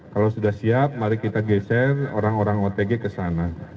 kalau sudah siap mari kita geser orang orang otg ke sana